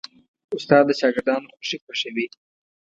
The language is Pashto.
استاد د شاګردانو خوښي خوښوي.